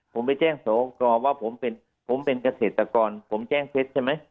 ผมไปแจ้งสอปกว่าผมเป็นเกษตรกรผมแจ้งเท็จใช่ไหม